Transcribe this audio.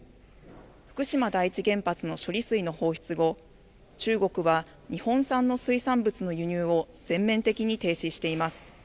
福島第一原発の処理水の放出後、中国は日本産の水産物の輸入を全面的に停止しています。